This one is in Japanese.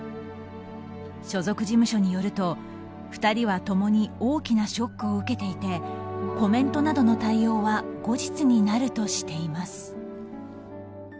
所属事務所によると、２人は共に大きなショックを受けていてコメントなどの対応は後日になるとしています。